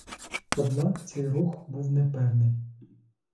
Однак цей рух був непевний.